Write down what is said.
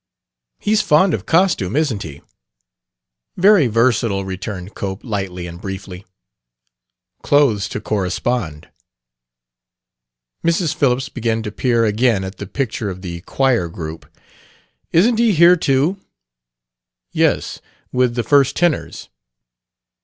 "He's fond of costume, isn't he?" "Very versatile," returned Cope, lightly and briefly. "Clothes to correspond." Mrs. Phillips began to peer again at the picture of the choir group. "Isn't he here too?" "Yes. With the first tenors.